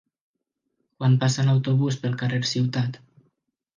Quan passa l'autobús pel carrer Ciutat?